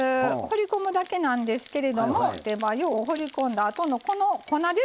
放り込むだけなんですけれども手早う放り込んだあとのこの粉ですね。